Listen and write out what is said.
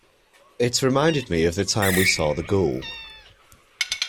It reminded me of the time we saw the ghoul.